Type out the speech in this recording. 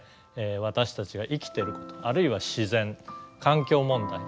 私たちが生きてることあるいは自然環境問題